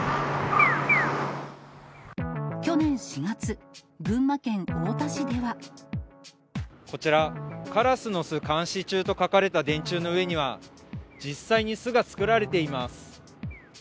去年４月、こちら、カラスの巣監視中と書かれた電柱の上には、実際に巣が作られています。